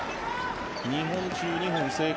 ２本中２本成功